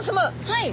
はい。